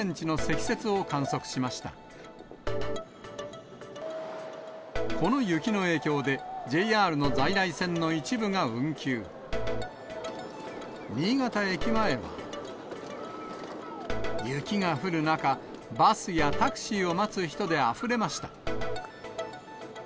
雪が降る中、バスやタクシーを待つ人であふれました。